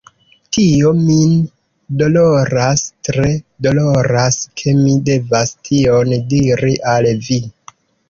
Tio min doloras, tre doloras, ke mi devas tion diri al vi.